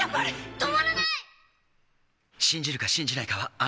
止まらない！